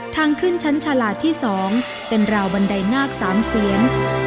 ทางขึ้นชั้นฉลาดที่๒เป็นราวบันไดนาค๓เสียง